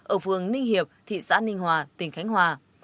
ở phường ninh hiệp thị xã ninh hòa tỉnh khánh hòa